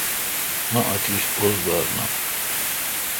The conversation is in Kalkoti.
مہ اتش اوزگار نان۔